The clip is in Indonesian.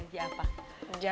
janji yang tadi aku bilang